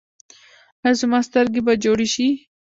ایا زما سترګې به جوړې شي؟